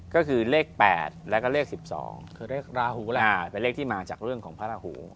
ก็คือเลข๘แล้วก็เลข๑๒คือเลขราหูแหละเป็นเลขที่มาจากเรื่องของพระราหู